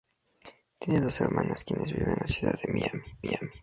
Tiene dos hermanas quienes viven en la ciudad de Miami.